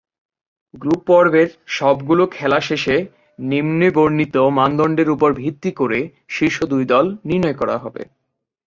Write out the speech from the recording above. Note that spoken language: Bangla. গ্রুপ পর্বের সবগুলো খেলা শেষে নিম্নে বর্ণিত মানদণ্ডের উপর ভিত্তি করে শীর্ষ দুই দল নির্ণয় করা হবে।